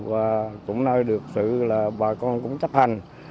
và cũng nói được sự là bà con cũng chấp hành